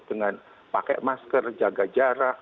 dengan pakai masker jaga jarak